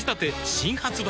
新発売